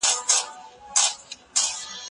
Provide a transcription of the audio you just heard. لوی مقام یوازي په استعداد پوري نه سي تړل کېدلای.